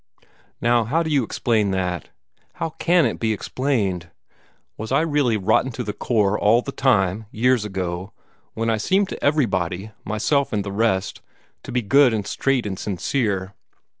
Now, how do you explain that? How can it be explained? Was I really rotten to the core all the time, years ago, when I seemed to everybody, myself and the rest, to be good and straight and sincere?